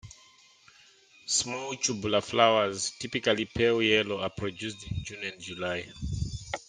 Small tubular flowers, typically pale yellow, are produced in June and July.